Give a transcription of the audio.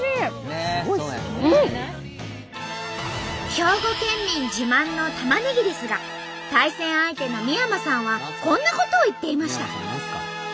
兵庫県民自慢のたまねぎですが対戦相手の三山さんはこんなことを言っていました。